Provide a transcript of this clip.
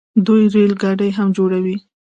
دوی ریل ګاډي هم جوړوي.